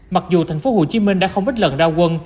mặc dù thành phố hồ chí minh đã không ít lần rao quân